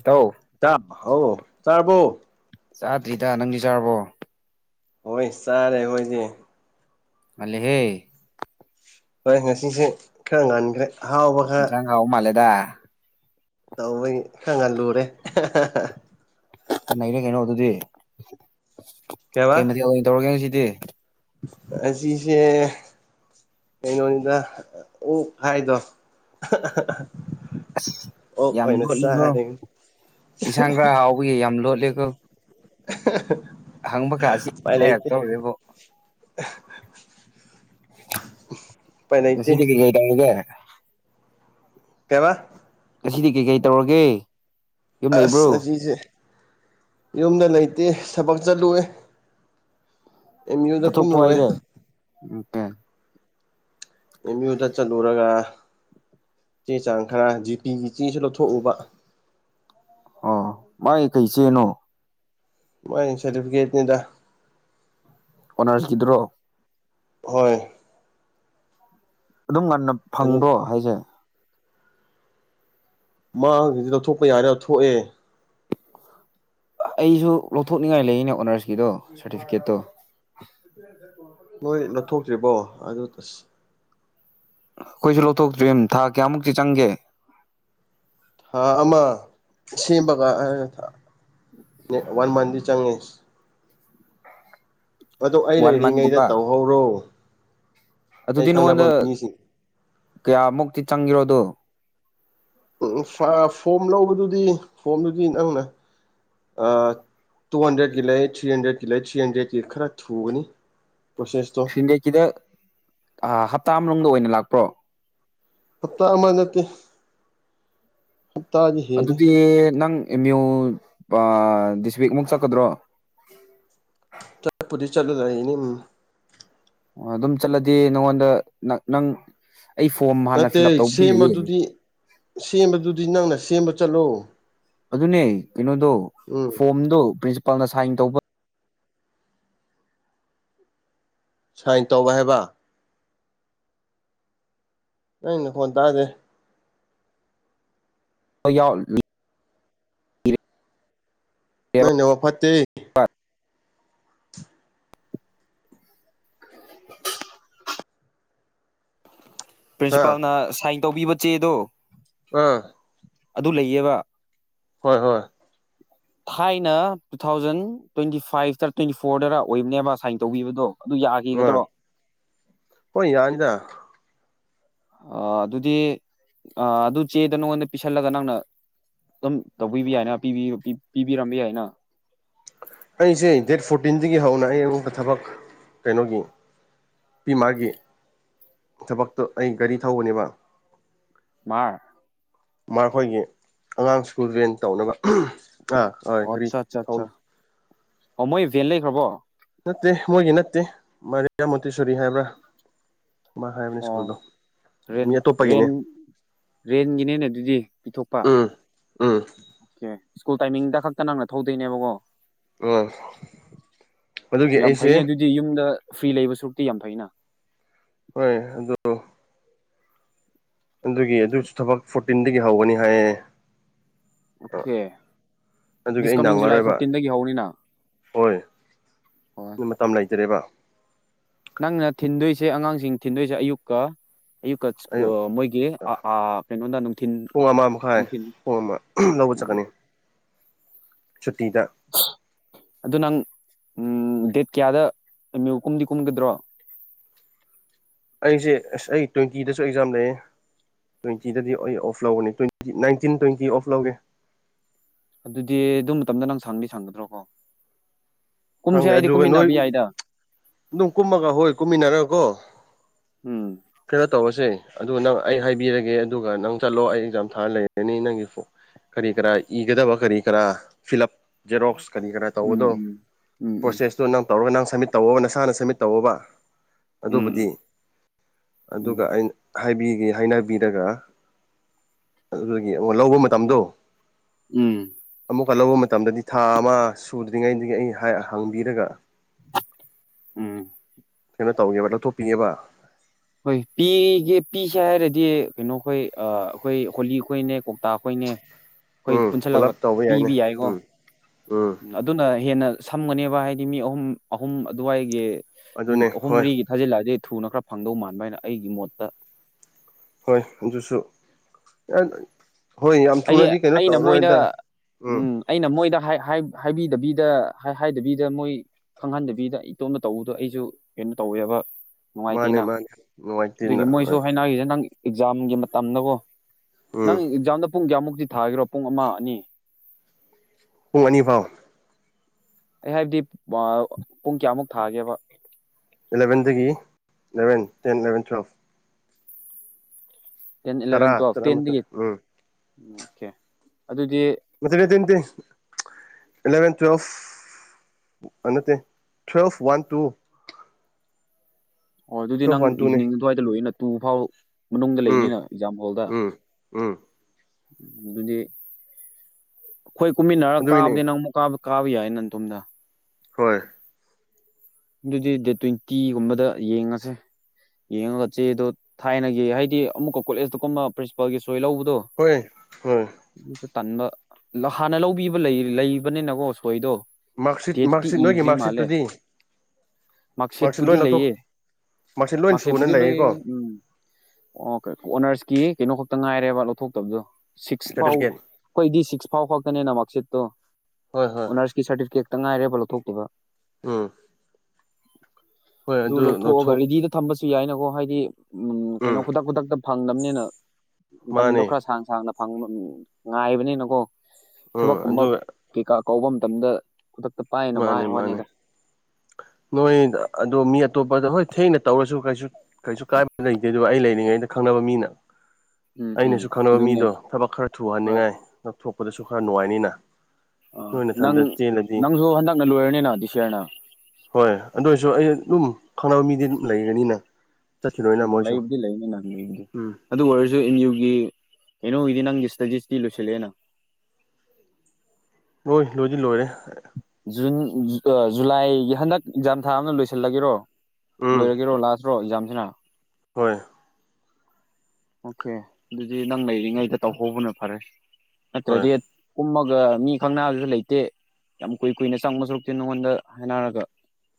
ꯏꯇꯧ ꯇꯥꯝ ꯍꯥꯎꯋꯣ ꯆꯥꯔꯕꯣ ꯆꯥꯗ꯭ꯔꯤꯗ ꯅꯪꯗꯤ ꯆꯥꯔꯕꯣ ꯍꯣꯏ ꯆꯥꯔꯦ ꯑꯈꯣꯏꯗꯤ ꯉꯜꯂꯦꯍꯦ ꯍꯣꯏ ꯉꯁꯤꯁꯦ ꯈꯔ ꯉꯟꯈ꯭ꯔꯦ ꯑꯍꯥꯎꯕ ꯈꯔ ꯑꯍꯥꯎꯕ ꯃꯥꯜꯂꯦꯗ ꯇꯧꯕꯩꯒꯤ ꯈꯔ ꯉꯜꯂꯨꯔꯦ ꯑꯍꯥ ꯑꯍꯥ ꯑꯍꯥ ꯅꯩꯔꯦ ꯀꯩꯅꯣ ꯑꯗꯨꯗꯤ ꯀꯩ ꯃꯊꯦꯜ ꯑꯣꯏꯅ ꯇꯧꯔꯒꯦ ꯉꯁꯤꯗꯤ ꯉꯁꯤꯁꯦ ꯀꯩꯅꯣꯅꯤꯗ ꯑꯣꯛ ꯍꯥꯏꯗꯣ ꯑꯍꯥ ꯑꯍꯥ ꯑꯍꯥ ꯑꯁ ꯌꯥꯝ ꯂꯣꯠꯂꯤꯀꯣ ꯏꯟꯁꯥꯡ ꯈꯔ ꯍꯥꯎꯕꯒꯤ ꯌꯥꯝ ꯂꯣꯠꯂꯦꯀꯣ ꯑꯍꯥ ꯑꯍꯥ ꯍꯪꯕ ꯀꯥꯁꯤ ꯏꯀꯥꯏꯔꯛꯇꯧꯔꯦꯕꯣ ꯂꯧꯁꯤꯟꯕ ꯉꯝꯗꯕ ꯉꯁꯤꯗꯤ ꯀꯩ ꯀꯩ ꯇꯧꯔꯤꯒꯦ ꯀꯩꯑꯕ ꯉꯁꯤꯗꯤ ꯀꯩ ꯀꯩ ꯇꯧꯔꯒꯦ ꯌꯨꯝ ꯑꯁ ꯂꯩꯕ꯭ꯔꯣ ꯉꯁꯤꯁꯦ ꯌꯨꯝꯗ ꯂꯩꯇꯦ ꯊꯕꯛ ꯆꯠꯂꯨꯋꯦ ꯑꯦꯝ ꯌꯨꯗ ꯇꯠꯊꯣꯛꯄ꯭ꯔꯣ ꯀꯨꯝꯔꯨꯋꯦ ꯍꯥꯏꯁꯦ ꯑꯣꯀꯦ ꯑꯦꯝ ꯌꯨꯗ ꯆꯠꯂꯨꯔꯒ ꯆꯦ ꯆꯥꯡ ꯈꯔ ꯖꯤ ꯄꯤꯒꯤ ꯆꯦꯁꯨ ꯂꯧꯊꯣꯛꯎꯕ ꯑꯣ ꯃꯥꯏ ꯀꯩ ꯆꯦꯅꯣ ꯃꯥꯏ ꯁꯥꯔꯇꯤꯐꯤꯀꯦꯠꯅꯤꯗ ꯑꯣꯅꯔꯁꯀꯤꯗꯨꯔꯣ ꯍꯣꯏ ꯑꯗꯨꯝ ꯉꯟꯅ ꯑꯗꯨ ꯐꯪꯕ꯭ꯔꯣ ꯍꯥꯏꯖꯦ ꯃꯥꯡꯒꯤꯗꯤ ꯂꯧꯊꯣꯛꯄ ꯌꯥꯔꯦ ꯂꯧꯊꯣꯛꯑꯦ ꯑꯩꯁꯨ ꯂꯧꯊꯣꯛꯅꯤꯡꯉꯥꯏ ꯂꯩꯌꯦꯅꯦ ꯑꯣꯅꯔꯁꯀꯤꯗꯣ ꯁꯥꯔꯇꯤꯐꯤꯀꯦꯠꯇꯣ ꯂꯧꯁꯤꯟꯕ ꯉꯝꯗꯕ ꯅꯣꯏ ꯂꯧꯊꯣꯛꯇ꯭ꯔꯤꯕꯣ ꯑꯗꯨ ꯇꯁ ꯑꯈꯣꯏꯖꯨ ꯂꯧꯊꯣꯛꯇ꯭ꯔꯤ ꯊꯥ ꯀꯌꯥꯃꯨꯛꯇꯤ ꯆꯪꯒꯦ ꯍꯥ ꯑꯃ ꯁꯦꯝꯕꯒ ꯋꯥꯟ ꯃꯟꯗꯤ ꯆꯪꯉꯦ ꯑꯗꯣ ꯑꯩ ꯋꯥꯟ ꯂꯩꯔꯤꯉꯩꯗ ꯃꯟꯒꯨꯝꯕ ꯇꯧꯍꯧꯔꯣ ꯑꯩ ꯑꯗꯨꯗꯤ ꯈꯪꯅꯕ ꯅꯉꯣꯟꯗ ꯃꯤꯁꯤꯡ ꯀꯌꯥꯃꯨꯛꯇꯤ ꯆꯪꯈꯤꯔꯣꯗꯣ ꯎꯝ ꯐꯣꯝ ꯂꯧꯕꯗꯨꯗꯤ ꯐꯣꯝꯗꯨꯗꯤ ꯅꯪꯅ ꯇꯨ ꯍꯟꯗ꯭ꯔꯦꯗꯀꯤ ꯂꯩ ꯊ꯭ꯔꯤ ꯍꯟꯗ꯭ꯔꯦꯗꯀꯤ ꯂꯩ ꯊ꯭ꯔꯤ ꯍꯟꯗ꯭ꯔꯦꯗꯀꯤ ꯈꯔ ꯊꯨꯒꯅꯤ ꯄꯁꯦꯁꯇ ꯊ꯭ꯔꯤꯗꯦꯛꯀꯤꯗ ꯍꯞꯇꯥ ꯃꯅꯨꯡꯗ ꯑꯣꯏꯅ ꯂꯥꯛꯄ꯭ꯔꯣ ꯐꯠꯇ ꯑꯃ ꯅꯠꯇꯦ ꯍ ꯇꯖꯤ ꯑꯗꯨꯗꯤ ꯅꯪ ꯑꯦꯝ ꯌꯨ ꯗꯤꯁꯇ꯭ꯔꯤꯛꯃꯨꯛ ꯆꯠꯀꯗ꯭ꯔꯣ ꯇ ꯄꯨ ꯆꯂꯨꯗꯅꯤ ꯎꯝ ꯑꯣ ꯑꯗꯨꯝ ꯆꯠꯂꯗꯤ ꯅꯪꯉꯣꯟꯗ ꯅꯪ ꯑꯩ ꯐꯣꯝ ꯍꯥꯟꯅ ꯅꯠꯇꯦ ꯐꯤꯜ ꯑꯞ ꯇꯧꯕꯗꯤ ꯂꯩꯌꯦ ꯁꯦꯝꯕꯗꯨꯗꯤ ꯁꯦꯝꯕꯗꯨꯗꯤ ꯅꯪꯅ ꯁꯦꯝꯕ ꯆꯠꯂꯣ ꯑꯗꯨꯅꯦ ꯀꯩꯅꯣꯗꯣ ꯎꯝ ꯐꯣꯝꯗꯣ ꯄ꯭ꯔꯤꯟꯁꯤꯄꯥꯜꯅ ꯁꯥꯏꯟ ꯇꯧꯕ ꯁꯥꯏꯟ ꯇꯧꯕ ꯍꯥꯏꯕ ꯅꯪ ꯐꯣꯠꯇꯗꯦ ꯍꯣꯏ ꯌꯥꯎ ꯅꯅꯦ ꯋꯥ ꯐꯠꯇꯦ ꯍ [unintelligible] ꯍꯥ ꯄ꯭ꯔꯤꯟꯁꯤꯄꯥꯜꯅ ꯁꯥꯏꯟ ꯇꯧꯕꯤꯕ ꯆꯦꯗꯣ ꯑꯥ ꯑꯗꯨ ꯂꯩꯌꯦꯕ ꯍꯣꯏ ꯍꯣꯏ ꯊꯥꯏꯅ ꯇꯨ ꯊꯥꯎꯖꯟ ꯇ꯭ꯋꯦꯟꯇꯤ ꯐꯥꯏꯚꯇ ꯇ꯭ꯋꯦꯟꯇꯤ ꯐꯣꯔꯗꯔ ꯑꯣꯏꯕꯅꯦꯕ ꯁꯥꯏꯟ ꯇꯧꯕꯤꯕꯗꯣ ꯑꯗꯨ ꯑ ꯌꯥꯈꯤꯒꯗ꯭ꯔꯣ ꯍꯣꯏ ꯌꯥꯅꯤꯗ ꯑ ꯑꯗꯨꯗꯤ ꯑꯗꯨ ꯆꯦꯗ ꯅꯉꯣꯟꯗ ꯄꯤꯁꯜꯂꯒ ꯅꯪꯅ ꯑꯗꯨꯝ ꯇꯧꯕꯤꯕ ꯌꯥꯏꯅ ꯄꯤꯕꯤꯔꯝꯕ ꯌꯥꯏꯅ ꯑꯩꯁꯦ ꯗꯦꯠ ꯐꯣꯔꯇꯤꯟꯗꯒꯤ ꯍꯧꯅ ꯑꯩ ꯑꯉꯣꯟꯕ ꯊꯕꯛ ꯀꯩꯅꯣꯒꯤ ꯄꯤ ꯃꯥꯒꯤ ꯊꯕꯛꯇꯣ ꯑꯩ ꯒꯥꯔꯤ ꯊꯧꯕꯅꯦꯕ ꯃꯥꯔ ꯃꯈꯣꯏꯒꯤ ꯑꯉꯥꯡ ꯁ꯭ꯀꯨꯜ ꯖꯦꯟ ꯇꯧꯅꯕ ꯑ ꯑꯣ ꯑꯠꯆꯥ ꯑꯠꯆꯥ ꯑꯠꯆꯥ ꯑꯣ ꯃꯣꯏ ꯦꯟ ꯂꯩꯈ꯭ꯔꯕꯣ ꯅꯠꯇꯦ ꯃꯣꯏꯒꯤ ꯅꯠꯇꯦ ꯃꯔꯤꯌꯥ ꯃꯣꯇꯦꯁꯣꯔꯤ ꯍꯥꯏꯕ꯭ꯔꯥ ꯍꯥꯏꯕꯅꯦ ꯑꯣ ꯁ꯭ꯀꯨꯜꯗ ꯃꯤ ꯑꯇꯣꯞꯄꯒꯤꯅꯦ ꯔꯦꯟꯒꯤꯅꯦꯅ ꯑꯗꯨꯗꯤ ꯄꯤꯊꯣꯛꯄ ꯎꯝ ꯎꯝ ꯑꯣꯀꯦ ꯁ꯭ꯀꯨꯜ ꯇꯥꯏꯃꯤꯡꯗ ꯈꯛꯇ ꯅꯪꯅ ꯊꯧꯗꯣꯏꯅꯦꯕꯀꯣ ꯑꯣ ꯑꯗꯨꯒꯤ ꯌꯥꯝ ꯑꯩꯁꯦ ꯐꯩꯅꯦ ꯑꯗꯨꯗꯤ ꯌꯨꯝꯗ ꯐ꯭ꯔꯤ ꯂꯩꯕ ꯁꯨꯔꯨꯛꯇꯤ ꯌꯥꯝ ꯐꯩꯅ ꯍꯣꯏ ꯑꯗꯨ ꯑꯗꯨꯒꯤ ꯑꯗꯨꯁꯨ ꯊꯕꯛ ꯐꯣꯔꯇꯤꯟꯗꯒꯤ ꯍꯧꯒꯅꯤ ꯍꯥꯏꯌꯦ ꯑꯣꯀꯦ ꯑꯗꯨꯒꯤ ꯑꯩ ꯗꯤꯁ ꯀꯃꯤꯡ ꯖꯨꯂꯥꯏ ꯅꯪꯉꯔꯣꯏꯕ ꯐꯣꯔꯇꯤꯟꯗꯒꯤ ꯍꯧꯅꯤꯅ ꯍꯣꯏ ꯍ ꯃꯇꯝ ꯂꯩꯇꯔꯦꯕ ꯅꯪꯅ ꯊꯤꯟꯗꯣꯏꯁꯦ ꯑꯉꯥꯡꯁꯤꯡ ꯊꯤꯟꯗꯣꯏꯁꯦ ꯑꯌꯨꯛꯀ ꯑꯌꯨꯛꯀ ꯑꯌꯨꯛ ꯃꯣꯏꯒꯤ ꯀꯩꯅꯣꯗ ꯅꯨꯡꯊꯤꯟ ꯄꯨꯡ ꯑꯃ ꯃꯈꯥꯏ ꯅꯨꯡꯊꯤꯟ ꯄꯨꯡ ꯑꯃ ꯂꯧꯕ ꯆꯠꯀꯅꯤ ꯁꯨꯇꯤꯗ ꯑꯗꯨ ꯅꯪ ꯗꯦꯠ ꯀꯌꯥꯗ ꯑꯦꯝ ꯌꯨ ꯀꯨꯝꯗꯤ ꯀꯨꯝꯒꯗ꯭ꯔꯣ ꯑꯩꯁꯦ ꯑꯁ ꯑꯩ ꯇ꯭ꯋꯦꯟꯇꯤꯗꯁꯨ ꯑꯦꯛꯖꯥꯝ ꯂꯩꯌꯦ ꯇ꯭ꯋꯦꯟꯇꯤꯗꯗꯤ ꯑꯩ ꯑꯣꯐ ꯂꯧꯒꯅꯤ ꯇ꯭ꯋꯦꯟꯇꯤ ꯅꯥꯏꯟꯇꯤꯟ ꯇ꯭ꯋꯦꯟꯇꯤ ꯑꯣꯐ ꯂꯧꯒꯦ ꯑꯗꯨꯗꯤ ꯑꯗꯨ ꯃꯇꯝꯗ ꯅꯪ ꯁꯥꯟꯕꯤ ꯁꯟꯒꯗ꯭ꯔꯣ ꯀꯣ ꯀꯨꯝꯁꯦ ꯈꯪꯗꯦ ꯍꯥꯏꯏꯗꯤ ꯑꯗꯨꯒ ꯅꯣꯏ ꯀꯨꯝꯃꯤꯟꯅꯕ ꯌꯥꯏꯗ ꯑꯗꯨꯝ ꯀꯨꯝꯃꯒ ꯍꯣꯏ ꯀꯨꯝꯃꯤꯟꯅꯔ ꯀꯣ ꯎꯝ ꯀꯩꯅꯣ ꯇꯧꯔꯁꯦ ꯑꯗꯨ ꯅꯪ ꯑꯩ ꯍꯥꯏꯕꯤꯔꯒꯦ ꯑꯗꯨꯒ ꯅꯪ ꯆꯠꯂꯣ ꯑꯩ ꯑꯦꯛꯖꯥꯝ ꯊꯥꯔ ꯂꯩꯔꯅꯤ ꯅꯪꯒꯤ ꯐ ꯀꯔꯤ ꯀꯔꯥ ꯏꯒꯗꯕ ꯀꯔꯤ ꯀꯔꯥ ꯐꯤꯜꯞ ꯖꯦꯔꯣꯛꯁ ꯀꯔꯤ ꯀꯔꯥ ꯎꯝ ꯇꯧꯕꯅꯣ ꯎꯝ ꯎꯝ ꯄ꯭ꯔꯣꯁꯦꯁꯇꯨ ꯅꯪ ꯇꯧꯔꯒ ꯅꯪ ꯁꯝꯃꯤꯠ ꯇꯧꯕ ꯅꯁꯥꯅ ꯁꯝꯃꯤꯠ ꯇꯧꯕ ꯑꯗꯨꯕꯨꯗꯤ ꯎꯝ ꯎꯝ ꯎꯝ ꯑꯗꯨꯒ ꯎꯝ ꯑꯩꯅ ꯍꯥꯏꯕꯤꯒꯦ ꯍꯥꯏꯅꯕꯤꯔꯒ ꯑꯗꯨꯒꯤ ꯑꯃꯨ ꯂꯧꯕ ꯃꯇꯝꯗꯣ ꯎꯝ ꯑꯃꯨꯛꯀ ꯂꯧꯕ ꯃꯇꯝꯗꯗꯤ ꯊꯥ ꯑꯃ ꯁꯨꯗ꯭ꯔꯤꯉꯩꯗꯒꯤ ꯑꯩ ꯍꯥꯏ ꯍꯥꯡꯕꯤꯔꯒ ꯎꯝ ꯀꯩꯅꯣ ꯇꯧꯒꯦꯕ ꯂꯧꯊꯣꯛꯄꯤꯉꯦꯕ ꯍꯣꯏ ꯄꯤꯒꯦ ꯄꯤꯁꯦ ꯍꯥꯏꯔꯗꯤ ꯀꯩꯅꯣ ꯑꯩꯈꯣꯏ ꯑꯩꯈꯣꯏ ꯍꯣꯂꯤ ꯑꯩꯣꯏꯅꯦ ꯀꯧꯇꯥꯛ ꯑꯩꯈꯣꯏꯅꯦ ꯑꯩꯈꯣꯏ ꯎꯝ ꯄꯨꯟꯁꯜꯂꯒ ꯄꯨꯂꯞ ꯇꯧꯕ ꯌꯥꯏꯅꯦ ꯄꯤꯕ ꯌꯥꯏꯀꯣ ꯎꯝ ꯎꯝ ꯑꯗꯨꯅ ꯍꯦꯟꯅ ꯁꯝꯒꯅꯦꯕ ꯍꯥꯏꯗꯤ ꯃꯤ ꯑꯍꯨꯝ ꯑꯍꯨꯝ ꯑꯗꯨꯋꯥꯏꯒꯤ ꯑꯗꯨꯅꯦ ꯑꯍꯨꯝ ꯍꯣꯏ ꯃꯔꯤꯒꯤ ꯊꯥꯖꯤꯜꯂꯛꯑꯦ ꯊꯨꯅ ꯈꯔ ꯐꯪꯗꯧ ꯃꯥꯟꯕ ꯍꯥꯏꯅ ꯑꯩꯒꯤ ꯃꯣꯠꯇ ꯍꯣꯏ ꯑꯗꯨꯁꯨ ꯍꯣꯏ ꯌꯥꯝ ꯍꯥꯏꯗꯤ ꯊꯨꯅꯗꯤ ꯀꯩꯅꯣ ꯑꯩꯅ ꯇꯧꯔꯔꯣꯏ ꯃꯣꯏꯗ ꯍꯥꯏꯗ ꯎꯝ ꯑꯩꯅ ꯃꯣꯏꯗ ꯍꯥꯏꯕꯤꯗꯕꯤꯗ ꯍꯥꯏꯗꯕꯤꯗ ꯃꯣꯏ ꯈꯪꯍꯟꯗꯕꯤꯗ ꯏꯇꯣꯝꯅ ꯇꯧꯕꯗꯣ ꯑꯩꯁꯨ ꯀꯩꯅꯣ ꯇꯧꯋꯦꯕ ꯃꯥꯅꯦ ꯅꯨꯡꯉꯥꯏꯇꯦꯅ ꯃꯥꯅꯦ ꯑꯗꯨꯒꯤ ꯅꯨꯡꯉꯥꯏꯇꯦꯅ ꯃꯣꯏꯁꯨ ꯍꯣꯏ ꯍꯥꯏꯅꯒꯤꯁꯦ ꯅꯪ ꯑꯦꯛꯖꯥꯝꯒꯤ ꯃꯇꯝꯗꯀꯣ ꯅꯪ ꯎꯝ ꯑꯦꯛꯖꯥꯝꯗ ꯄꯨꯡ ꯀꯌꯥꯃꯨꯛꯇꯤ ꯊꯥꯈꯔꯣ ꯄꯨꯡ ꯑꯃ ꯑꯅꯤ ꯄꯨꯡ ꯑꯅꯤ ꯐꯥꯎ ꯑꯩ ꯍꯥꯏꯕꯗꯤ ꯄꯨꯡ ꯀꯌꯥꯃꯨꯛ ꯊꯥꯒꯦꯕ ꯑꯦꯂꯕꯦꯟꯗꯒꯤ eleven ten eleven twelve ten ꯇꯔꯥ ꯏꯂꯕꯦꯟ ꯇꯣ ꯇꯔꯥꯃꯥꯊꯣꯏ ꯇꯦꯟꯗꯒꯤꯝ ꯎꯝ ꯑꯣꯀꯦ ꯑꯗꯨꯗꯤ ꯃꯗꯨꯦꯇ ꯏꯂꯚꯦꯟ ꯇ꯭ꯋꯦꯜꯐ ꯑ ꯇ ꯇ꯭ꯋꯦꯜꯐ ꯋꯥꯟ ꯇꯨ ꯑꯣ ꯑꯗꯨꯗꯤ ꯇꯨꯋꯦꯜꯐ ꯅꯪ ꯋꯥꯟ ꯇꯨꯅꯦ ꯏꯚꯤꯅꯤꯡ ꯑꯗꯨꯋꯥꯏꯗ ꯂꯣꯏꯅ ꯇꯨ ꯐꯥꯎ ꯃꯅꯨꯡꯗ ꯎꯝ ꯂꯩꯅꯤꯅ ꯑꯦꯛꯖꯥꯝ ꯍꯣꯜꯗ ꯎꯝ ꯎꯝ ꯑꯗꯨꯗꯤ ꯑꯩꯈꯣꯏ ꯀꯨꯝꯃꯤꯟꯅꯔꯒ ꯑꯗꯨꯒꯤꯅꯤ ꯀꯥꯕꯗꯤ ꯅꯪ ꯀꯥꯕ ꯀꯥꯕ ꯌꯥꯏꯅ ꯅꯇꯣꯝꯗ ꯍꯣꯏ ꯑꯗꯨꯗꯤ ꯗꯦꯠ ꯇ꯭ꯋꯦꯟꯇꯤꯒꯨꯝꯕꯗ ꯌꯦꯡꯉꯁꯦ ꯌꯦꯡꯉꯒ ꯆꯦꯗꯣ ꯊꯥꯏꯅꯒꯤ ꯍꯥꯏꯗꯤ ꯑꯃꯨꯛꯀ ꯀꯣꯂꯦꯖꯇ ꯀꯨꯝꯅ ꯄ꯭ꯔꯤꯟꯁꯤꯄꯥꯜꯒꯤ ꯁꯣꯏ ꯂꯧꯕꯗꯣ ꯍꯣꯏ ꯍꯣꯏ ꯑꯗꯨꯁꯨ ꯇꯟꯕ ꯍꯥꯟꯅ ꯂꯧꯕꯤꯕ ꯂꯩꯕꯅꯤꯅꯀꯣ ꯁꯣꯏꯗꯣ ꯃꯥꯔꯛꯁꯤꯠ ꯗꯦꯇꯤ ꯃꯥꯔꯛꯁꯤꯠ ꯅꯣꯏꯒꯤ ꯏꯗ꯭ꯔꯤ ꯃꯥꯂꯦ ꯃꯥꯔꯛꯁꯤꯠꯇꯨꯗꯤ ꯃꯥꯔꯛꯁꯤꯠ ꯃꯥꯥꯛꯁꯦꯠꯄꯨꯗꯤ ꯂꯣꯏ ꯂꯧꯊꯣꯛ ꯂꯩꯌꯦ ꯃꯥꯔꯛꯁꯤꯠ ꯂꯣꯏ ꯁꯨꯅ ꯃꯔꯁꯦꯠꯄꯨꯗꯤ ꯂꯣꯏꯌꯦ ꯂꯩꯌꯦꯀꯣ ꯎꯝ ꯑꯣ ꯑꯣꯅꯔꯁꯀꯤ ꯀꯩꯅꯣ ꯈꯛꯇ ꯉꯥꯏꯔꯦꯕ ꯂꯧꯊꯣꯛꯇꯕꯗꯣ ꯁꯤꯛꯁ ꯐꯥꯎ ꯁꯥꯔꯇꯤꯐꯤꯀꯦꯠ ꯑꯩꯈꯣꯏꯗꯤ ꯁꯤꯛꯁ ꯐꯥꯎ ꯈꯛꯀꯅꯦꯅ ꯃꯥꯔꯛꯁꯤꯠꯇꯣ ꯍꯣꯏ ꯍꯣꯏ ꯁꯥꯔꯇꯤꯐꯤꯀꯦꯠꯇ ꯉꯥꯏꯔꯦꯕ ꯂꯧꯊꯣꯛꯇꯕ ꯑꯝ ꯑꯗꯨ ꯂꯧꯊꯣꯛꯑꯒ ꯔꯤꯗꯤꯗ ꯊꯝꯕꯁꯨ ꯌꯥꯏꯅꯀꯣ ꯍꯥꯏꯗꯤ ꯎꯝ ꯀꯩꯅꯣ ꯈꯨꯗꯛ ꯈꯨꯗꯛꯇ ꯐꯪꯗꯝꯕꯅꯤꯅ ꯃꯇꯝꯗꯣ ꯃꯥꯅꯦ ꯈꯔ ꯁꯥꯡꯅ ꯁꯥꯡꯅ ꯐꯪꯕ ꯉꯥꯏꯕꯅꯤꯅꯀꯣ ꯎꯝ ꯊꯕꯛꯀꯨꯝꯕ ꯑꯗꯨꯒ ꯀꯩꯀꯥ ꯀꯧꯕ ꯃꯇꯝꯗ ꯈꯨꯗꯛꯇ ꯄꯥꯏꯅꯕ ꯃꯥꯅꯦ ꯍꯥꯏ ꯃꯥꯅꯦ ꯋꯥꯅꯤꯗ ꯅꯣꯏ ꯑꯗꯣ ꯃꯤ ꯑꯇꯣꯞꯄꯗ ꯍꯣꯏ ꯊꯦꯡꯅ ꯇꯧꯔꯁꯨ ꯀꯩꯁꯨ ꯀꯩꯁꯨ ꯀꯥꯏꯕ ꯂꯩꯇꯦ ꯑꯗꯨꯕꯨ ꯑꯩ ꯂꯩꯔꯤꯉꯩꯗ ꯈꯪꯅꯕ ꯃꯤꯅ ꯎꯝ ꯎꯝ ꯑꯩꯅꯁꯨ ꯈꯪꯅꯕ ꯑꯗꯨꯅꯦ ꯃꯤꯗꯣ ꯊꯕꯛ ꯈꯔ ꯍꯣꯏ ꯊꯨꯍꯟꯅꯤꯡꯉꯥꯏ ꯉꯊꯣꯛꯄꯗꯁꯨ ꯈꯔ ꯅꯨꯡꯉꯥꯏꯅꯤꯅ ꯑꯥ ꯅꯣꯏ ꯅꯪ ꯅꯊꯟꯗ ꯆꯦꯜꯂꯗꯤ ꯅꯪꯁꯨ ꯍꯟꯗꯛꯅ ꯂꯣꯏꯔꯅꯤꯅ ꯗꯤꯁꯔꯅ ꯍꯣꯏ ꯑꯗꯨ ꯑꯣꯏꯔꯁꯨ ꯑꯩ ꯑꯗꯨꯝ ꯈꯪꯅꯕ ꯃꯤꯗꯤ ꯑꯗꯨꯝ ꯂꯩꯒꯅꯤꯅ ꯆꯠꯈꯤꯔꯣꯏꯅ ꯎꯝ ꯃꯣꯏꯁꯨ ꯂꯩꯕꯨꯗꯤ ꯂꯩꯅꯤ ꯂꯩꯕꯨꯗꯤ ꯎꯝ ꯑꯗꯨ ꯑꯣꯏꯔꯁꯨ ꯑꯦꯝ ꯌꯨꯒꯤ ꯀꯩꯅꯣꯒꯤꯗꯤ ꯅꯪꯒꯤ ꯁ꯭ꯇꯗꯤꯁꯇꯤ ꯂꯣꯏꯁꯤꯜꯂꯛꯑꯦꯅ ꯂꯣꯏ ꯂꯣꯏꯗꯤ ꯂꯣꯏꯔꯦ ꯖꯨꯟ ꯖꯨꯂꯥꯏꯒꯤ ꯍꯟꯗꯛ ꯑꯦꯛꯖꯥꯝ ꯊꯥ ꯂꯣꯏꯁꯤꯜꯂꯒꯦꯔꯣ ꯎꯝ ꯂꯣꯏꯔꯒꯦꯔꯣ ꯂꯥꯁꯔꯣ ꯑꯦꯛꯖꯥꯝꯁꯤꯅ ꯍꯣꯏ ꯑꯣꯀꯦ ꯑꯗꯨꯗꯤ ꯅꯪ ꯂꯩꯔꯤꯉꯩꯗ ꯇꯧꯍꯧꯕꯅ ꯐꯔꯦ ꯍꯣꯏ ꯅꯠꯇ꯭ꯔꯗꯤ ꯀꯨꯝꯃꯒ ꯃꯤ ꯈꯪꯅꯕꯁꯨ ꯂꯩꯇꯦ ꯌꯥꯝ ꯀꯨꯏ ꯀꯨꯏꯅ ꯆꯪꯕ ꯁꯔꯨꯛꯇꯦ ꯅꯉꯣꯟꯗ ꯍꯥꯏꯅꯔꯒ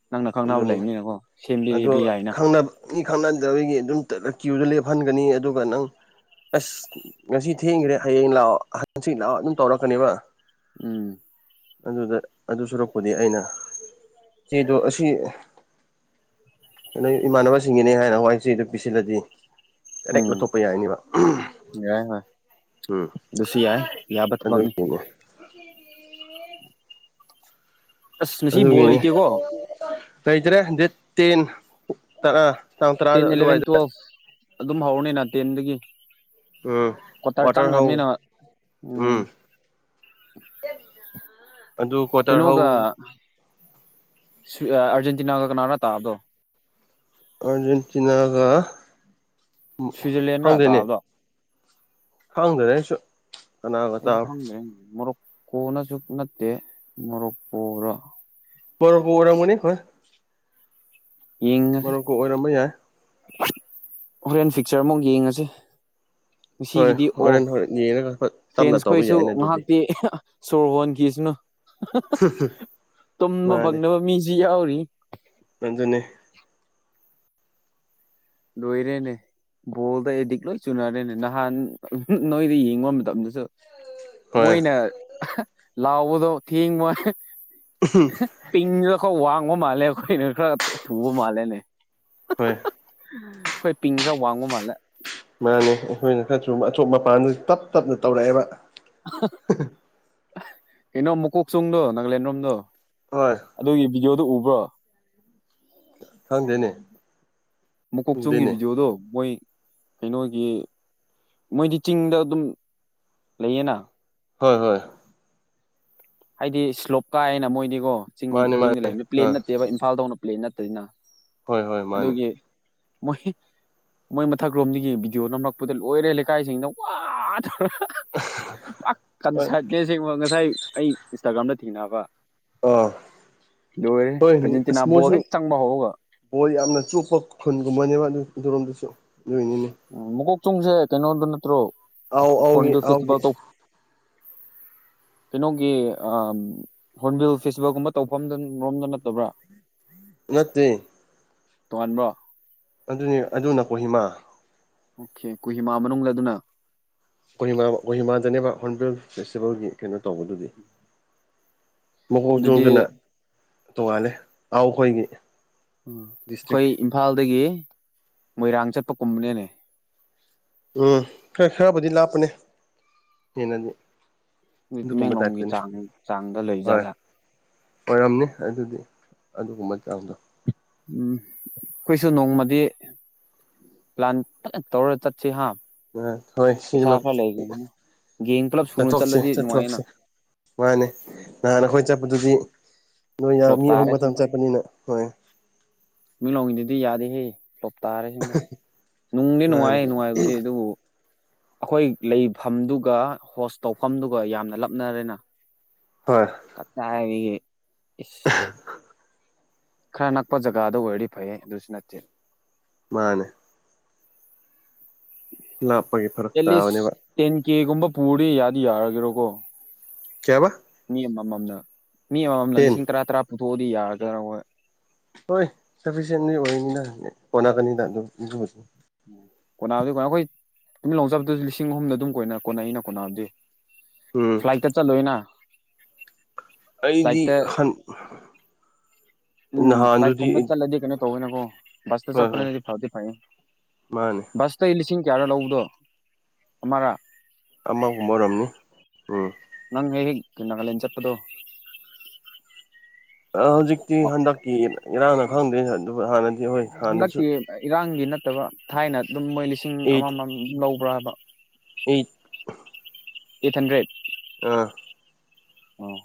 ꯅꯪꯅ ꯈꯪꯅꯕ ꯑꯗꯨꯅꯤ ꯂꯩꯕꯅꯤꯅꯀꯣ ꯑꯗꯣ ꯁꯦꯝꯕꯤꯕ ꯌꯥꯏꯅ ꯈꯪꯅꯕ ꯃꯤ ꯈꯪꯅꯗ ꯑꯩꯒꯤ ꯑꯗꯨꯝ ꯀ꯭ꯌꯨꯗ ꯂꯦꯞꯍꯟꯒꯅꯤ ꯑꯗꯨꯒ ꯅꯪ ꯑꯁ ꯉꯁꯤ ꯊꯦꯡꯈ꯭ꯔꯦ ꯍꯌꯦꯡ ꯂꯥꯛꯑꯣ ꯍꯪꯆꯤꯟ ꯂꯥꯛꯑꯣ ꯑꯗꯨꯝ ꯇꯧꯔꯛꯀꯅꯦꯕ ꯎꯝ ꯑꯗꯨꯗ ꯑꯗꯨ ꯁꯨꯔꯛꯄꯨꯗꯤ ꯑꯩꯅ ꯆꯦꯗꯣ ꯑꯁꯤ ꯅꯣꯏ ꯏꯃꯥꯟꯅꯕꯁꯤꯡꯒꯤꯅꯦ ꯍꯥꯏꯅ ꯍꯥꯢꯔ ꯆꯦ ꯑꯗꯨ ꯄꯤꯁꯤꯜꯂꯗꯤ ꯗꯥꯣꯔꯦꯛ ꯂꯧꯊꯣꯛꯄ ꯌꯥꯏꯅꯤꯕ ꯌꯥꯢ ꯍꯣꯏ ꯎꯝ ꯑꯗꯨꯁꯨ ꯌꯥꯏ ꯌꯥꯕ ꯊꯕꯛꯅꯤ ꯑꯗꯨꯒꯤꯅꯦ ꯑꯁ ꯉꯁꯤ ꯕꯣꯜ ꯑꯗꯨꯒꯤꯅꯦ ꯂꯩꯇꯦꯀꯣ ꯂꯩꯇ꯭ꯔꯦ ꯗꯦꯠ ꯇꯦꯟ ꯇꯔꯥ ꯇꯥꯡ ꯇꯦꯟ ꯇꯔꯥꯗ ꯑꯦꯂꯚꯦꯟ ꯑꯗꯨꯋꯥꯏꯗ ꯇꯨꯋꯦꯜꯐ ꯑꯗꯨꯝ ꯍꯧꯔꯅꯤꯅ ꯇꯦꯟꯗꯒꯤ ꯎꯝ ꯀꯣꯇꯥꯔ ꯀ꯭ꯋꯥꯇꯔ ꯍꯧ ꯆꯪꯈ꯭ꯔꯕꯅꯤꯅ ꯎꯝ ꯑꯗꯨ ꯀ꯭ꯋꯥꯇꯔ ꯍꯧ ꯀꯩꯅꯣꯒ ꯑꯥꯔꯖꯦꯟꯇꯤꯅꯥꯒ ꯀꯅꯥꯒꯔꯣ ꯇꯥꯕꯗꯣ ꯑꯥꯔꯖꯦꯟꯇꯤꯅꯥꯒ ꯁ꯭ꯋꯤꯖꯔꯂꯦꯟꯔ ꯈꯪꯗꯦꯅꯦ ꯇꯥꯕꯗꯣ ꯈꯪꯗꯦ ꯑꯩꯁꯨ ꯀꯅꯥꯒ ꯑꯩꯁꯨ ꯇꯥꯕ ꯈꯪꯗ꯭ꯔꯦ ꯃꯣꯔꯣꯛꯀꯣꯅꯁꯨ ꯅꯠꯇꯦ ꯃꯣꯔꯣꯛꯀꯣꯔ ꯃꯣꯔꯣꯀꯣ ꯑꯣꯢꯔꯝꯒꯅꯤ ꯍꯣꯏ ꯌꯦꯉꯁꯤ ꯀꯤ ꯑꯣꯏꯔꯝꯕ ꯌꯥꯏ ꯍꯣꯔꯦꯟ ꯐꯤꯛꯆꯔ ꯑꯃꯨꯛ ꯌꯦꯡꯉꯁꯤ ꯍꯣꯏ ꯉꯁꯤꯒꯤꯗꯤ ꯍꯣꯔꯦꯟ ꯑꯣꯐ ꯍꯣꯔꯦꯟ ꯌꯦꯡꯉꯒ ꯍꯣꯏ ꯇꯞꯅ ꯇꯧꯕ ꯐ꯭ꯔꯦꯟꯁꯈꯣꯏꯁꯨ ꯌꯥꯏꯅꯦ ꯑꯗꯨꯗꯤ ꯉꯥꯏꯍꯥꯛꯇꯤ ꯁꯣꯔ ꯍꯣꯟꯒꯤꯁꯤꯅꯨ ꯇꯨꯝꯕ ꯃꯥꯅꯦ ꯐꯪꯗꯕ ꯃꯤꯁꯨ ꯌꯥꯎꯔꯤ ꯑꯗꯨꯅꯦ ꯂꯣꯢꯔꯦꯅꯦ ꯕꯣꯜꯗ ꯑꯦꯗꯤꯛ ꯂꯣꯏ ꯆꯨꯅꯔꯦꯅꯦ ꯅꯍꯥꯟ ꯅꯣꯏꯗ ꯌꯦꯡꯉꯨꯕ ꯃꯇꯝꯗꯁꯨ ꯍꯣꯏ ꯃꯣꯏꯅ ꯂꯥꯎꯕꯗꯣ ꯊꯦꯡꯕ ꯎꯝ ꯄꯤꯡꯗ ꯑꯩꯈꯣꯏ ꯋꯥꯡꯕ ꯃꯥꯜꯂꯦ ꯑꯩꯈꯣꯏ ꯈꯔ ꯊꯨꯕ ꯃꯥꯜꯂꯦꯅꯦ ꯍꯣꯏ ꯑꯩꯈꯣꯏ ꯄꯤꯡ ꯈꯔ ꯋꯥꯡꯕ ꯃꯥꯜꯂꯦ ꯃꯥꯅꯦ ꯑꯩꯈꯣꯏꯅ ꯈꯔꯁꯨ ꯑꯆꯣꯞ ꯃꯄꯥꯟꯗꯁꯨ ꯇꯞ ꯇꯞꯅ ꯇꯧꯔꯛꯑꯦꯕ ꯀꯩꯅꯣ ꯃꯨꯀꯣꯛ ꯆꯣꯡꯗꯣ ꯅꯀꯂꯦꯟ ꯔꯣꯝꯗꯣ ꯍꯣꯏ ꯑꯗꯨꯒꯤ ꯚꯗꯤꯑꯣꯗꯨ ꯎꯕ꯭ꯔꯣ ꯍꯪꯗꯦꯅꯦ ꯃꯀꯣꯛ ꯆꯨꯝꯒꯤ ꯚꯤꯗꯤꯑꯣꯗꯣ ꯃꯣꯏ ꯀꯩꯅꯣꯒꯤ ꯃꯣꯏꯗꯤ ꯆꯤꯡꯗ ꯑꯗꯨꯝ ꯂꯩꯌꯦꯅ ꯍꯣꯏ ꯍꯣꯏ ꯍꯥꯏꯗꯤ ꯁ꯭ꯂꯣꯞ ꯀꯥꯏꯑꯅ ꯃꯣꯏꯗꯤꯀꯣ ꯆꯤꯡ ꯃꯥꯅꯦ ꯆꯤꯡꯗ ꯃꯥꯅꯦ ꯂꯩꯔꯝꯃꯤ ꯄ꯭ꯂꯦꯟ ꯑꯥ ꯅꯠꯇꯦꯕ ꯏꯝꯐꯥꯜꯗꯧꯅ ꯄ꯭ꯂꯦꯟ ꯅꯠꯇꯅꯤꯅ ꯍꯣꯏ ꯍꯣꯏ ꯃꯥꯅꯦ ꯑꯗꯨꯒꯤ ꯃꯣꯏ ꯃꯣꯏ ꯃꯊꯛ ꯂꯣꯝꯗꯒꯤ ꯚꯤꯗꯤꯑꯣ ꯅꯝꯂꯛꯄꯗ ꯂꯣꯏꯔꯦ ꯂꯩꯀꯥꯏꯁꯤꯡꯅ ꯋꯥ ꯇꯧꯔ ꯄꯨꯋ ꯍꯣꯏ ꯀꯟꯁꯔꯗ ꯅꯦ ꯑꯁꯦꯡꯕ ꯉꯁꯥꯏ ꯑꯩ ꯏꯟꯁꯇꯥꯒ꯭ꯔꯥꯝꯗ ꯊꯦꯡꯅꯕ ꯑꯥ ꯂꯣꯏꯔꯦꯍꯦ ꯑꯔꯖꯦꯟꯇꯤꯅꯥ ꯕꯣꯜ ꯍꯦꯛ ꯆꯪꯕ ꯍꯧꯒ ꯕꯣꯏ ꯌꯥꯝꯅ ꯆꯨꯞꯄ ꯈꯨꯟꯒꯨꯝꯕꯅꯦꯕ ꯑꯗꯨ ꯑꯗꯨꯔꯣꯝꯗꯨꯁꯨ ꯂꯣꯏꯅꯤꯅꯦ ꯎꯝ ꯃꯀꯣꯛ ꯆꯨꯡꯁꯦ ꯀꯩꯅꯣꯗ ꯅꯠꯇ꯭ꯔꯣ ꯑꯥꯎ ꯑꯧꯒꯦ ꯍꯣꯔꯟꯕꯤꯜ ꯑꯥꯎꯒꯦ ꯐꯦꯁꯇꯤꯚꯦꯜ ꯇꯧ ꯀꯩꯅꯣꯒꯤ ꯑꯝ ꯍꯣꯔꯟꯕꯤꯜ ꯐꯦꯁꯇꯤꯚꯦꯜꯒꯨꯝꯕ ꯇꯧꯐꯝ ꯔꯣꯝꯗ ꯅꯠꯇꯕ꯭ꯔꯥ ꯅꯠꯇꯦ ꯇꯣꯉꯥꯟꯕ꯭ꯔꯣ ꯑꯗꯨꯅꯤ ꯑꯗꯨꯅ ꯀꯣꯍꯤꯃꯥ ꯑꯣꯀꯦ ꯀꯨꯍꯤꯃꯥ ꯃꯅꯨꯡꯗ ꯑꯗꯨꯅ ꯀꯣꯔꯤꯃꯥ ꯀꯣꯍꯤꯃꯥ ꯗꯅꯦꯕ ꯍꯣꯔꯟꯕꯤꯜ ꯐꯦꯁꯇꯤꯚꯦꯜꯒꯤ ꯀꯩꯅꯣ ꯇꯧꯕꯗꯨꯗꯤ ꯃꯀꯣꯛ ꯑꯗꯨꯗꯤ ꯆꯣꯡꯗꯨꯅ ꯇꯣꯉꯥꯂꯦ ꯑꯥꯎ ꯑꯩꯈꯣꯏꯒꯤ ꯎꯝ ꯗꯤꯁꯇ꯭ꯔꯤꯛ ꯑꯩꯈꯣꯏ ꯏꯝꯐꯥꯜꯗꯒꯤ ꯃꯣꯏꯔꯥꯡ ꯆꯠꯄ ꯀꯨꯝꯕꯅꯦꯅꯦ ꯎꯝ ꯈꯔ ꯈꯔꯕꯨꯗꯤ ꯂꯥꯞꯄꯅꯦ ꯍꯦꯟꯅꯗꯤ ꯑꯗꯨꯗꯤ ꯑꯗꯨꯒꯨꯝꯕ ꯇꯤꯃꯦꯡꯂꯣꯡꯒꯤ ꯇꯥꯏꯞꯇꯅꯤ ꯆꯥꯡ ꯆꯥꯡꯗ ꯍꯣꯏ ꯂꯩꯖꯥꯠꯂ ꯑꯣꯏꯔꯝꯅꯤ ꯑꯗꯨꯗꯤ ꯑꯗꯨꯒꯨꯝꯕ ꯆꯥꯡꯗꯣ ꯎꯝ ꯑꯩꯈꯣꯏꯁꯨ ꯅꯣꯡꯃꯗꯤ ꯄ꯭ꯂꯥꯟ ꯐꯖꯟ ꯇꯧꯔ ꯆꯠꯁꯤ ꯍꯥ ꯑ ꯍꯣꯏ ꯄꯩꯁꯥ ꯁꯤꯃ ꯈꯔ ꯂꯩꯒꯅꯤꯅ ꯒꯦꯡ ꯄꯨꯂꯞ ꯁꯨꯅ ꯆꯠꯊꯣꯛꯁꯦ ꯆꯠꯂꯗꯤ ꯅꯨꯡꯉꯥꯏꯌꯦꯅ ꯆꯠꯊꯣꯛꯁꯦ ꯃꯥꯅꯦ ꯅꯍꯥꯟ ꯑꯩꯈꯣꯏ ꯆꯠꯄꯗꯨꯗꯤ ꯅꯣꯏ ꯐ꯭ꯂꯣꯞ ꯃꯤ ꯑꯍꯨꯝ ꯇꯥꯔꯦ ꯈꯛꯇꯪ ꯑꯁꯦꯡꯕ ꯆꯠꯄꯅꯤꯅ ꯍꯣꯏ ꯃꯤꯠꯂꯣꯡꯒꯤꯗꯨꯗꯤ ꯌꯥꯗꯦꯍꯦ ꯂꯣꯞ ꯇꯥꯔꯦꯁꯤꯡꯕ ꯅꯨꯡꯗꯤ ꯃꯥꯅꯦ ꯅꯨꯡꯉꯥꯏꯍꯦ ꯅꯨꯡꯉꯥꯏꯕꯗꯤ ꯑꯗꯨꯕꯨ ꯑꯩꯈꯣꯏ ꯂꯩꯐꯝꯗꯨꯒ ꯍꯣꯁ ꯇꯧꯐꯝꯗꯨꯒ ꯌꯥꯝꯅ ꯂꯞꯅꯔꯦꯅ ꯍꯣꯏ ꯀꯇꯥꯏꯗꯒꯤ ꯏꯁ ꯑ ꯈꯔ ꯅꯛꯄ ꯖꯒꯥꯗ ꯑꯣꯏꯔꯗꯤ ꯐꯩꯌꯦ ꯑꯗꯨꯁꯨ ꯅꯠꯇꯦ ꯃꯥꯅꯤ ꯂꯥꯞꯄꯒꯤ ꯐꯔꯛ ꯑꯦꯠꯂꯤꯁ ꯇꯥꯕꯅꯦꯕ ꯇꯦꯟ ꯀꯦꯒꯨꯝꯕ ꯄꯨꯔꯗꯤ ꯌꯥꯗꯤ ꯌꯥꯔꯒꯦꯔꯣꯀꯣ ꯀꯌꯥꯕ ꯃꯤ ꯑꯃꯃꯝꯅ ꯃꯤ ꯑꯃꯃꯝꯅ ꯇꯦꯟ ꯂꯤꯁꯤꯡ ꯇꯔꯥ ꯇꯔꯥ ꯄꯨꯊꯣꯛꯑꯗꯤ ꯌꯥꯒꯗ꯭ꯔꯥ ꯍꯣꯏ ꯍꯣꯏ ꯁꯐꯤꯁꯦꯟꯂꯤ ꯑꯣꯏꯅꯤꯅ ꯍꯣꯠꯅꯀꯅꯤꯗ ꯑꯗꯨ ꯀꯣꯅꯥꯕꯨꯗꯤ ꯀꯅ ꯑꯩꯈꯣꯏ ꯇꯨꯃꯤꯜ ꯂꯧꯖꯕꯗꯨꯁꯨ ꯂꯤꯁꯤꯡ ꯑꯍꯨꯝꯗ ꯑꯗꯨꯝ ꯀꯣꯏꯅ ꯀꯣꯟꯅ ꯑꯩꯅ ꯀꯣꯅꯥꯕꯨꯗꯤ ꯎꯝ ꯐ꯭ꯂꯥꯏꯠꯇ ꯆꯠꯂꯣꯏꯅ ꯑꯩꯗꯤ ꯐ꯭ꯂꯥꯏꯠꯇ ꯍꯟ ꯎꯝ ꯅꯍꯥꯟꯗꯨꯗꯤ ꯐ꯭ꯂꯥꯏꯛꯀꯨꯝꯃꯦꯕ ꯆꯂꯦꯗꯤ ꯀꯅ ꯀꯧꯅ ꯀꯣ ꯕꯁꯇ ꯍꯣꯏ ꯍꯣꯏ ꯆꯠꯄꯅꯗꯤ ꯐꯥꯗꯤ ꯐꯅꯤ ꯃꯥꯅꯦ ꯕꯁ ꯑꯇꯩ ꯂꯤꯁꯤꯡ ꯀꯌꯥꯔ ꯂꯧꯕꯗꯣ ꯑꯃꯔꯥ ꯑꯥ ꯃꯨꯝꯕꯔꯝꯅꯤ ꯎꯝ ꯅꯪ ꯍꯦ ꯍꯦꯛ ꯒ ꯅꯒꯥꯂꯦꯟ ꯆꯠꯄꯗꯣ ꯍꯧꯖꯤꯛꯇꯤ ꯍꯟꯗꯛꯀꯤ ꯏꯔꯥꯡꯅ ꯈꯪꯗꯦ ꯑꯗꯨ ꯍꯥꯟꯅ ꯍꯟꯗꯛꯀꯤ ꯏꯔꯥꯡꯒꯤ ꯅꯠꯇꯕ ꯊꯥꯏꯅ ꯑꯗꯨꯝ ꯃꯣꯏ ꯂꯤꯁꯤꯡ ꯂꯤꯁꯤꯡ ꯑꯩꯠ ꯑꯃꯃꯝ ꯂꯧꯕ꯭ꯔꯥ ꯍꯥꯏꯕ ꯑꯩꯠ ꯑꯩꯠ ꯍꯟꯗ꯭ꯔꯦꯠ ꯑꯥ ꯑꯣ